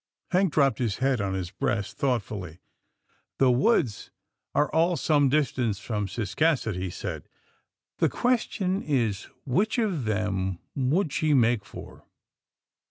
Hank dropped his head on his breast thought fully. " The woods are all some distance from Cis casset," he said, " the question is, which of them would she make for?